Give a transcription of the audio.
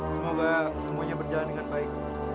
semoga semuanya berjalan dengan baik